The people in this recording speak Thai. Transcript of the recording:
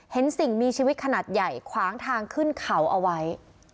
สิ่งมีชีวิตขนาดใหญ่ขวางทางขึ้นเขาเอาไว้